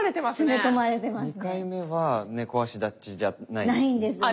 ２回目は猫足立ちじゃないですね。